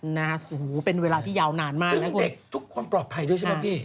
นะฮะโอ้โหเป็นเวลาที่ยาวนานมากซึ่งเด็กทุกคนปลอดภัยด้วยใช่ไหมพี่